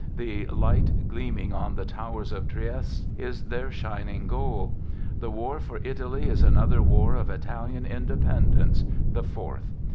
The light gleaming on the towers of Trieste is their shining goal. The war for Italy is another war of Italian independence — the fourth.